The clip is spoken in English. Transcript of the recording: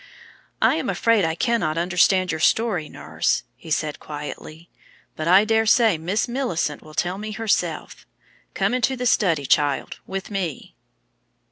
"I am afraid I cannot understand your story, nurse," he said quietly; "but I daresay Miss Millicent will tell me herself. Come into the study, child, with me."